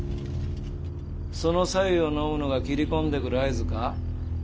その白湯を飲むのが斬り込んでくる合図か？